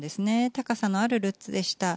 高さのあるルッツでした。